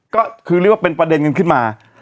ก็คือเรียกว่าเป็นประเด็นกันขึ้นมา